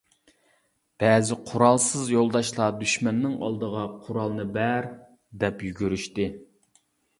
بەزى قورالسىز يولداشلار دۈشمەننىڭ ئالدىغا «قورالنى بەر» دەپ يۈگۈرۈشتى.